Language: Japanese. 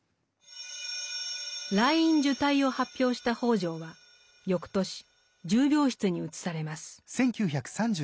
「癩院受胎」を発表した北條は翌年重病室に移されます。